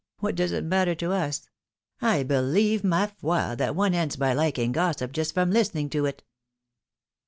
What does it matter to us ? I believe, ma foiy that one ends by liking gossip just from listening to it!